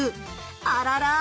あらら。